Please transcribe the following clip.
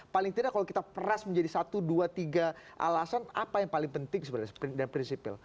paling tidak kalau kita peras menjadi satu dua tiga alasan apa yang paling penting sebenarnya dan prinsipil